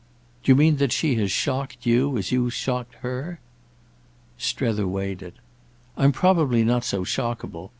"Do you mean that she has shocked you as you've shocked her?" Strether weighed it. "I'm probably not so shockable.